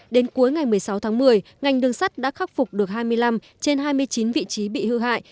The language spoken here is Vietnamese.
đến cuối ngày một mươi sáu tháng một mươi ngành đường sắt đã khắc phục được hai mươi năm trên hai mươi chín vị trí bị hư hại